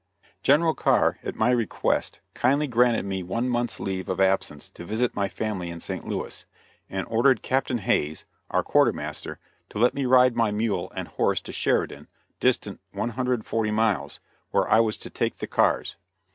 General Carr, at my request, kindly granted me one month's leave of absence to visit my family in St. Louis, and ordered Captain Hays, our quartermaster, to let me ride my mule and horse to Sheridan, distant 140 miles, where I was to take the cars.